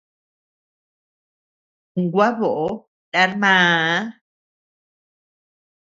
Gua boʼö nar maa.